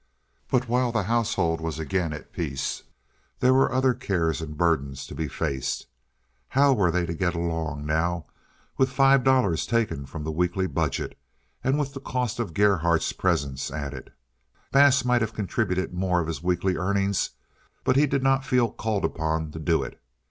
But while the household was again at peace, there were other cares and burdens to be faced. How were they to get along now with five dollars taken from the weekly budget, and with the cost of Gerhardt's presence added? Bass might have contributed more of his weekly earnings, but he did not feel called upon to do it.